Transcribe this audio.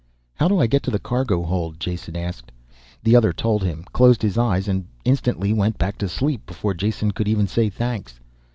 "How do I get to the cargo hold?" Jason asked. The other told him, closed his eyes and went instantly back to sleep before Jason could even say thanks.